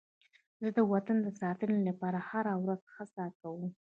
زه د وطن د ساتنې لپاره هره ورځ هڅه کوم.